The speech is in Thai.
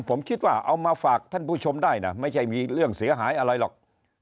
ผมคิดว่าเอามาฝากท่านผู้ชมได้นะไม่ใช่มีเรื่องเสียหายอะไรหรอก